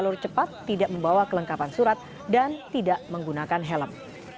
jalur cepat tidak membawa kelengkapan surat dan tidak menggunakan helm